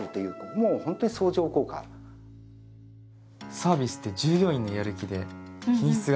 サービスって従業員のやる気で品質が変わるんだね。